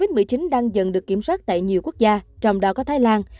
tình hình dịch covid một mươi chín đang dần được kiểm soát tại nhiều quốc gia trong đó có thái lan